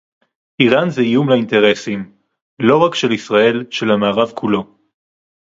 אירן זה איום לאינטרסים - לא רק של ישראל; של המערב כולו